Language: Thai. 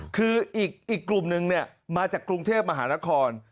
คืออีกกลุ่มนึงมาจากกรุงเทพมหานคร